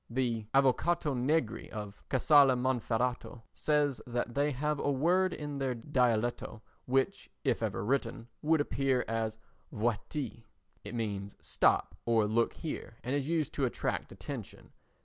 The Avvocato Negri of Casale Monferrato says that they have a word in their dialetto which, if ever written, would appear as "vuaitee," it means "stop" or "look here," and is used to attract attention.